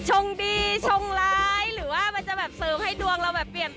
งดีชงร้ายหรือว่ามันจะแบบเสริมให้ดวงเราแบบเปลี่ยนตัว